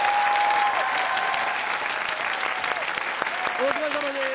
お疲れさまです。